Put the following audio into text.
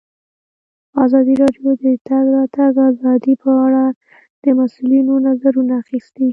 ازادي راډیو د د تګ راتګ ازادي په اړه د مسؤلینو نظرونه اخیستي.